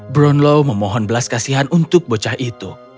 brownlow memohon belas kasihan untuk bocah itu